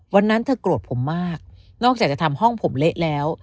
วันนั้นเธอโกรธผมมากนอกจากจะทำห้องผมเละแล้ว